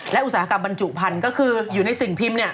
และอุตสาหกรรมบรรจุพันธุ์ก็คืออยู่ในสิ่งพิมพ์เนี่ย